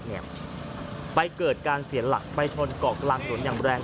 ไปเกิดเกิดการเสียหลักไปชนกรอกลางลนอย่างแรง